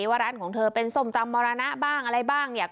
ว่าร้านของเธอเป็นส้มตำมรณะบ้างอะไรบ้างเนี่ย